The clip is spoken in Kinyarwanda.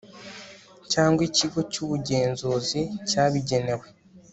cyangwa ikigo cy ubugenzuzi cyabigenewe